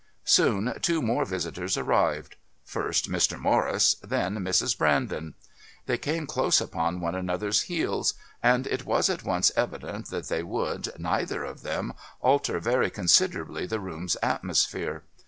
Soon two more visitors arrived first Mr. Morris, then Mrs. Brandon. They came close upon one another's heels, and it was at once evident that they would, neither of them, alter very considerably the room's atmosphere.